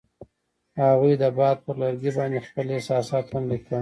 هغوی د باد پر لرګي باندې خپل احساسات هم لیکل.